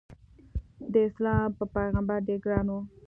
داسلام په پیغمبر ډېر ګران و.